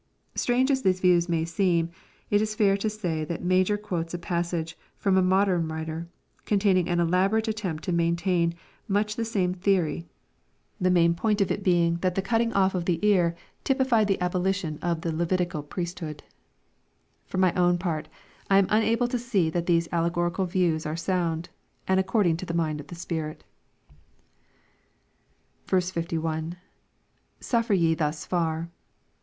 Strange as these views may seem, it is fair to say that Major quotes a passage from a modern writer, containing an elaborate attempt to maintain much the same theory, the main point of it being that the cutting off of the ear typified the abolition of the Lcvitical priesthood. 19 434 EXPOSITORY THOUGHTS. For my own part I am unable to see that these allegorical viewt are sound, and according to the mind of the Spirit. 51. — [Suffer ye thus far.